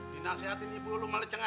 dinasihatin ibu lo malah cengar cengir